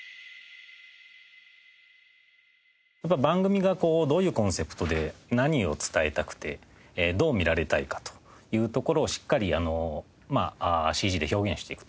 やっぱ番組がどういうコンセプトで何を伝えたくてどう見られたいかというところをしっかりＣＧで表現していくというとこですね。